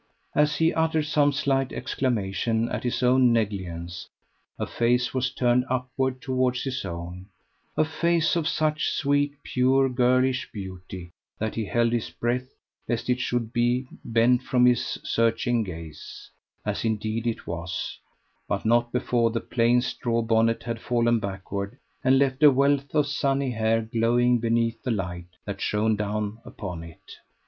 As he uttered some slight exclamation at his own negligence, a face was turned upward towards his own a face of such sweet, pure, girlish beauty that he held his breath lest it should be bent from his searching gaze as indeed it was, but not before the plain straw bonnet had fallen backward and left a wealth of sunny hair glowing beneath the light that shone down upon it.